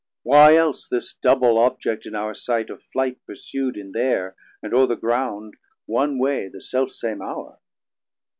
200 Why else this double object in our sight Of flight pursu'd in th' Air and ore the ground One way the self same hour?